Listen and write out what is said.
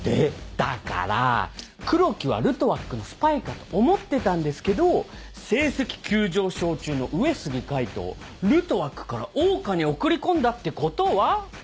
だから黒木はルトワックのスパイかと思ってたんですけど成績急上昇中の上杉海斗をルトワックから桜花に送り込んだってことは。